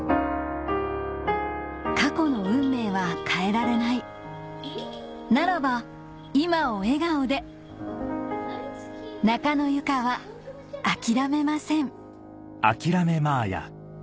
過去の運命は変えられないならば今を笑顔で中野由佳はあきらめません！